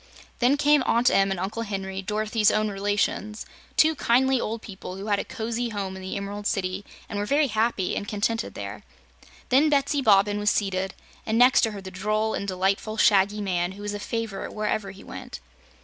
Then came Aunt Em and Uncle Henry, Dorothy's own relations, two kindly old people who had a cozy home in the Emerald City and were very happy and contented there. Then Betsy Bobbin was seated, and next to her the droll and delightful Shaggy Man, who was a favorite wherever he went.